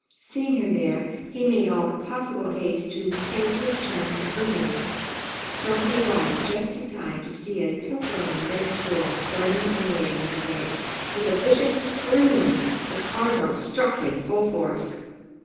Seeing her there, he made all possible haste to take his turn at brooding, so he arrived just in time to see a pilfering red squirrel starting away with an egg. With a vicious scream the Cardinal struck him full force.